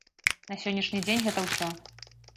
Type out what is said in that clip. На сённяшні дзень гэта ўсё.